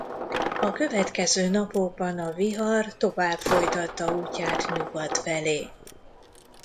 A következő napokban a vihar tovább folytatta útját nyugat felé.